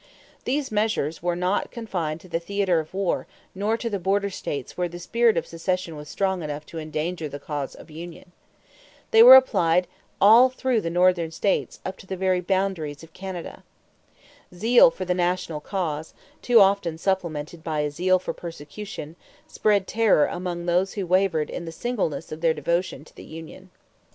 These measures were not confined to the theater of war nor to the border states where the spirit of secession was strong enough to endanger the cause of union. They were applied all through the Northern states up to the very boundaries of Canada. Zeal for the national cause, too often supplemented by a zeal for persecution, spread terror among those who wavered in the singleness of their devotion to the union.